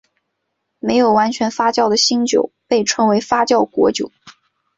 没有完全发酵的新酒被称为发酵果酒。